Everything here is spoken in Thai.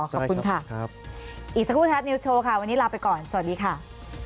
ขอบคุณค่ะอีกสักครู่แท็บนิวส์โชว์ค่ะวันนี้ลาไปก่อนสวัสดีค่ะ